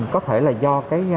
có thể là do